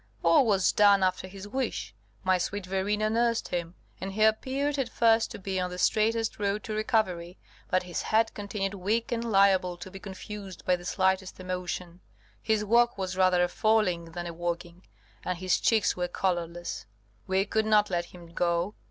All was done after his wish: my sweet Verena nursed him, and he appeared at first to be on the straightest road to recovery; but his head continued weak and liable to be confused by the slightest emotion, his walk was rather a falling than a walking, and his cheeks were colourless. We could not let him go.